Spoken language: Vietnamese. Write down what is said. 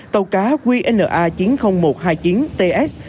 tàu cá qna chín mươi nghìn một trăm hai mươi chín ts